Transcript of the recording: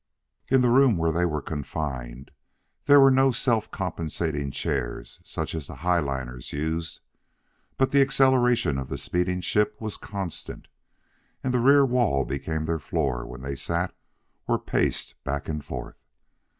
In the room where the three were confined, there were no self compensating chairs such as the high liners used. But the acceleration of the speeding ship was constant, and the rear wall became their floor where they sat or paced back and forth.